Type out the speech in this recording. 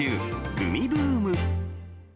グミブーム。